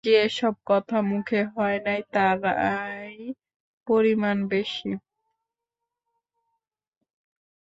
যে-সব কথা মুখে হয় নাই তারই পরিমাণ বেশি।